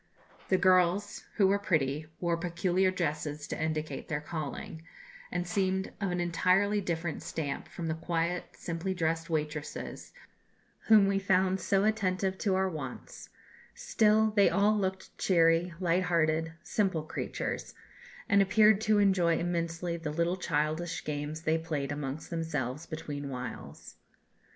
"The girls, who were pretty, wore peculiar dresses to indicate their calling, and seemed of an entirely different stamp from the quiet, simply dressed waitresses whom we found so attentive to our wants; still they all looked cheery, light hearted, simple creatures, and appeared to enjoy immensely the little childish games they played amongst themselves between whiles."